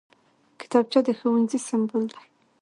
کتابچه د ښوونځي سمبول دی